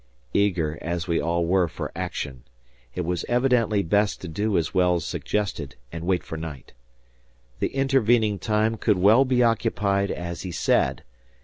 Eager as we all were for action, it was evidently best to do as Wells suggested and wait for night. The intervening time could well be occupied as he said.